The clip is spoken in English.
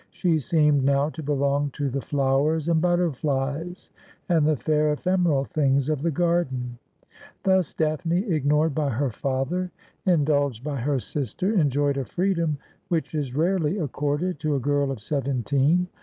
She seemed now to belong to the flowers and butterflies, and the fair ephemeral things of the garden. Thus Daphne, ignored by her father, indulged by her sister, enjoyed a freedom which is rarely accorded to a girl of seven teen.